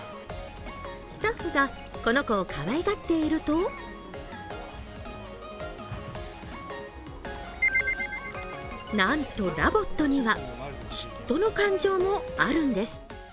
スタッフがこの子をかわいがっているとなんと、ＬＯＶＯＴには嫉妬の感情もあるんです。